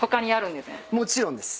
もちろんです。